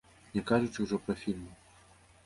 Не кажучы ўжо пра фільмы.